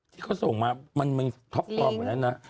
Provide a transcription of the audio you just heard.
พอส่งมามันมันท็อปกรอบมานั้นนะ